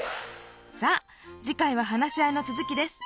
さあ次回は話し合いのつづきです。